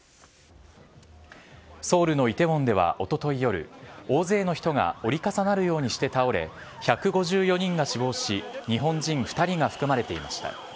ソウルのイテウォンではおととい夜、大勢の人が折り重なるようにして倒れ、１５４人が死亡し、日本人２人が含まれていました。